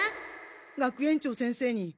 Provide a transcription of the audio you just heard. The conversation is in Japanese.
学園長先生に。